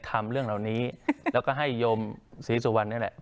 ทำเรื่องเหล่านี้แล้วก็ให้โยมศรีสุวรรณนี่แหละ